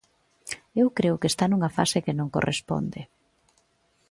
Eu creo que está nunha fase que non corresponde.